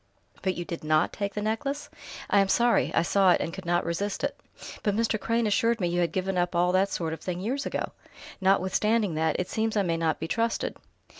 "But you did not take that necklace!" "I am sorry.... I saw it, and could not resist it." "But Mr. Crane assured me you had given up all that sort of thing years ago!" "Notwithstanding that, it seems I may not be trusted...."